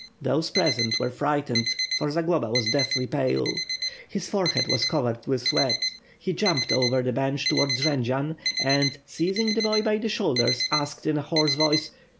Those present were frightened, for Zagloba was deathly pale. His forehead was covered with sweat. He jumped over the bench towards Jendzian; and, seizing the boy by the shoulders, asked in a hoarse voice.